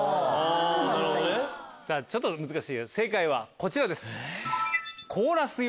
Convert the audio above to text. ちょっと難しいね正解はこちらです。